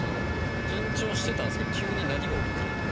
緊張してたんですけど急に凪が訪れて。